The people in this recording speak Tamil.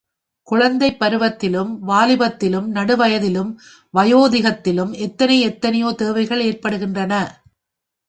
குழந்தைப் பருவத்திலும், வாலிபத்திலும், நடுவயதிலும், வயோதிகத்திலும் எத்தனை எத்தனையோ தேவைகள் ஏற்படுகின்றன.